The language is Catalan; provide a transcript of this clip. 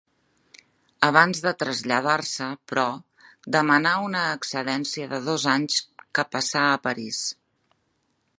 Abans de traslladar-se, però, demanà una excedència de dos anys que passà a París.